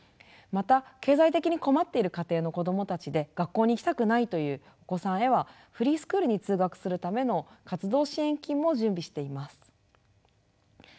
また経済的に困っている家庭の子どもたちで学校に行きたくないというお子さんへはフリースクールに通学するための活動支援金も準備しています。